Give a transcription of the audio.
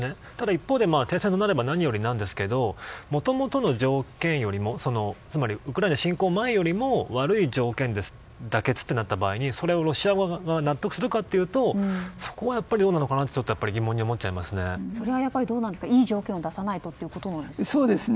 一方、停戦となれば何よりなんですがもともとの条件よりもつまりウクライナ侵攻前よりも悪い条件妥結となった場合それをロシア側が納得するかというとそこはやっぱりどうかなとそれはいい条件を出さないとそうですね。